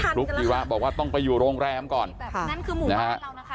ฟลุ๊กจิระบอกว่าต้องไปอยู่โรงแรมก่อนนะฮะ